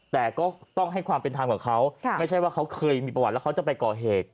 แต่ก็ต้องให้ความเป็นธรรมกับเขาไม่ใช่ว่าเขาเคยมีประวัติแล้วเขาจะไปก่อเหตุ